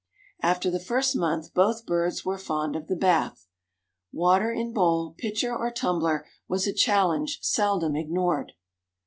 After the first month both birds were fond of the bath; water in bowl, pitcher, or tumbler, was a challenge seldom ignored.